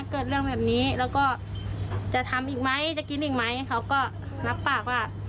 เกิดเรื่องแบบนี้แล้วก็จะทำอีกไหมจะกินอีกไหมเขาก็รับปากว่า